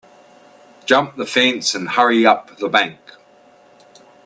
Jump the fence and hurry up the bank.